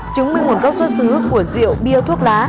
chứng minh nguồn gốc xuất xứ của rượu bia thuốc lá